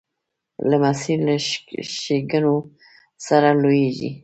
لمسی له ښېګڼو سره لویېږي.